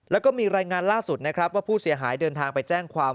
แล้วก็มีรายงานล่าสุดนะครับว่าผู้เสียหายเดินทางไปแจ้งความ